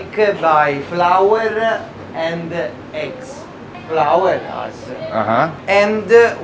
คัลยาเต็ลคือพร้อมของรัฐอิทยาลัย